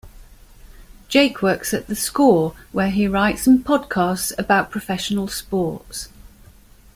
Jake works at The Score where he writes and podcasts about professional sports.